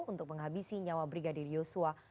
untuk menghabisi nyawa brigadir yosua